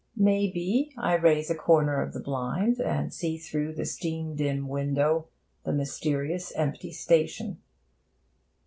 May be, I raise a corner of the blind, and see through the steam dim window the mysterious, empty station.